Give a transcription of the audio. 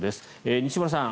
西村さん